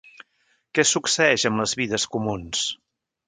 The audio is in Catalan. Què succeeix amb les vides comuns?